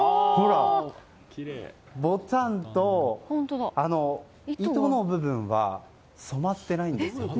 ボタンと糸の部分は染まってないんですよ。